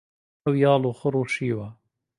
ئەو یاڵ و خڕ و شیوە